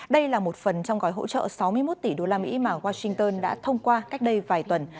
đây là một phần trong gói hỗ trợ sáu mươi một tỷ đô la mỹ mà washington đã thông qua cách đây vài tuần